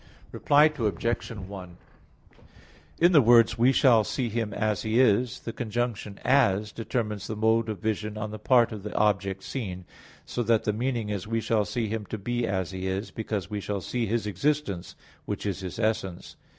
Reply Obj. 1: In the words, "We shall see Him as He is," the conjunction "as" determines the mode of vision on the part of the object seen, so that the meaning is, we shall see Him to be as He is, because we shall see His existence, which is His essence.